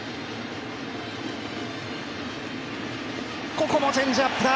ここもチェンジアップだ。